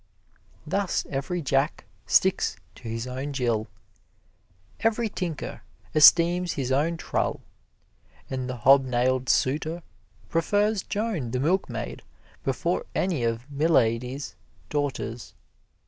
Thus every Jack sticks to his own Jill; every tinker esteems his own trull; and the hobnailed suitor prefers Joan the milkmaid before any of milady's daughters.